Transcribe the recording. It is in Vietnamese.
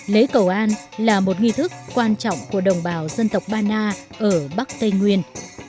lễ cầu an là một nghi thức quan trọng của đồng bào dân tộc ba na ở bắc tây nguyên